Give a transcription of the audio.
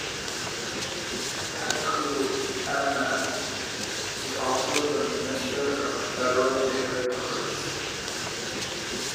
Tengku Adnan is also the Minister of Federal Territories.